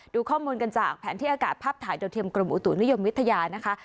ดูข้อมูลกันจากแผนที่อากาศภาพถ่ายโดยเทียมกรมอุตุนิยมวิทยานะคะ